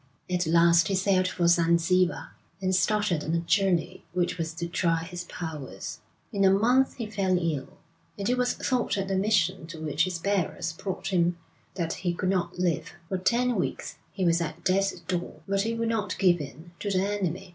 At last he sailed for Zanzibar, and started on a journey which was to try his powers. In a month he fell ill, and it was thought at the mission to which his bearers brought him that he could not live. For ten weeks he was at death's door, but he would not give in to the enemy.